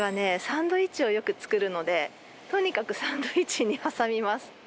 サンドイッチをよく作るのでとにかくサンドイッチに挟みます。